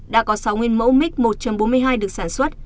đã có sáu nguyên mẫu mig một bốn mươi hai được sản xuất